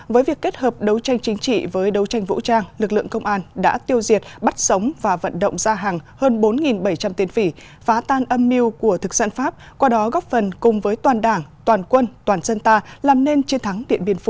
với việc kết hợp đấu tranh chính trị với đấu tranh vũ trang lực lượng công an đã tiêu diệt bắt sống và vận động ra hàng hơn bốn bảy trăm linh tiền phỉ phá tan âm mưu của thực dân pháp qua đó góp phần cùng với toàn đảng toàn quân toàn dân ta làm nên chiến thắng điện biên phủ